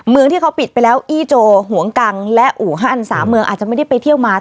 เมืองที่เขาปิดไปแล้วอี้โจหวงกังและอู่ฮันสาเมืองอาจจะไม่ได้ไปเที่ยวมา